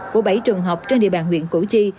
của bảy trường học trên địa bàn huyện củ chi